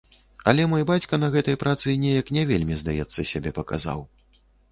Але мой бацька на гэтай працы неяк не вельмі, здаецца, сябе паказаў.